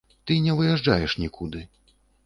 Ты не выязджаеш нікуды.